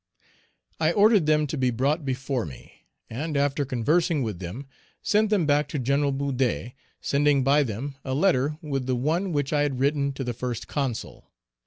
I ordered them to be brought before me, and, after conversing with them, sent them back to Gen. Boudet, sending by them a letter with the one which I had written to the First Consul.